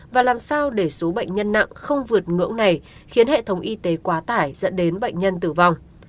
và làm sao để số bệnh nhân nặng không vượt ngưỡng này khiến hệ thống y tế quá tải dẫn đến bệnh nhân tử vong